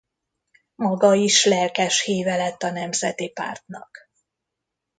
Maga is lelkes-híve lett a nemzeti pártnak.